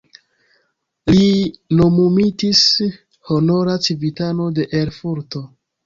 Li nomumitis honora civitano de Erfurto.